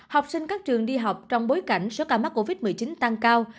học sinh các trường đi học trong bối cảnh số ca mắc covid một mươi chín tăng cao